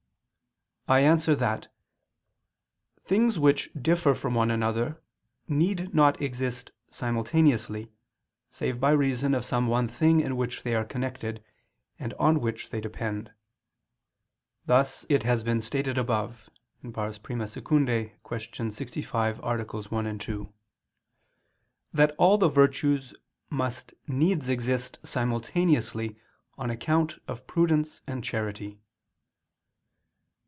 I answer that, Things which differ from one another need not exist simultaneously, save by reason of some one thing in which they are connected and on which they depend: thus it has been stated above (I II, Q. 65, AA. 1, 2) that all the virtues must needs exist simultaneously on account of prudence and charity.